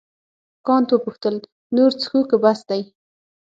کانت وپوښتل نور څښو که بس دی.